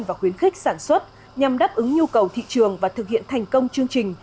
và khuyến khích sản xuất nhằm đáp ứng nhu cầu thị trường và thực hiện thành công chương trình